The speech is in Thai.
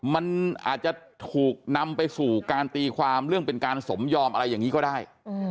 มันอาจจะถูกนำไปสู่การตีความเรื่องเป็นการสมยอมอะไรอย่างนี้ก็ได้